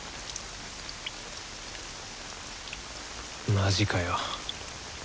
マジかよ。